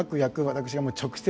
私が直接。